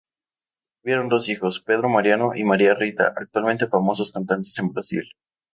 Tuvieron dos hijos: Pedro Mariano y Maria Rita, actualmente famosos cantantes en Brasil.